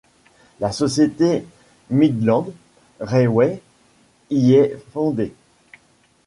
La société Midland Railway y est fondée.